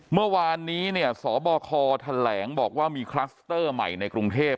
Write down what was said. เมื่อวานนี้เนี่ยสบคแถลงบอกว่ามีคลัสเตอร์ใหม่ในกรุงเทพ